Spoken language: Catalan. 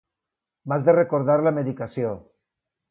M'has de recordar la medicació.